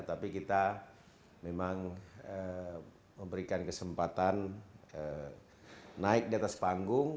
tapi kita memang memberikan kesempatan naik diatas panggung